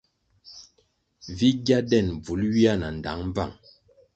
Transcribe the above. Vi gya den bvul ywia na ndtang bvang,